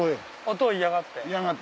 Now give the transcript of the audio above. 音を嫌がって？